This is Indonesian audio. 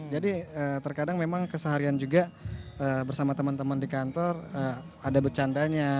jadi terkadang memang keseharian juga bersama teman teman di kantor ada becandanya